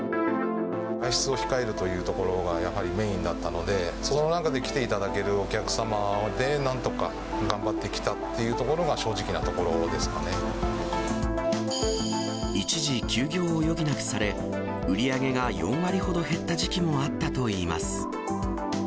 外出を控えるというところが、やはりメインだったので、その中で来ていただけるお客様でなんとか頑張ってきたっていうと一時休業を余儀なくされ、売り上げが４割ほど減った時期もあったといいます。